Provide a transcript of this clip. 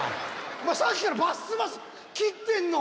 お前さっきからバッシバシ斬ってんの！